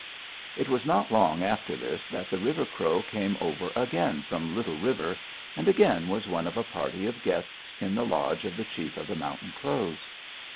"It was not long after this that the River Crow came over again from Little River, and again was one of a party of guests in the lodge of the chief of the Mountain Crows.